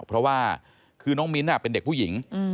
เพราะว่าคือน้องมิ้นเป็นเด็กผู้หญิง